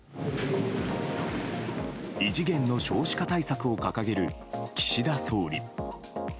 異次元の少子化対策を掲げる岸田総理。